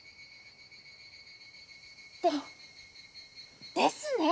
でですね。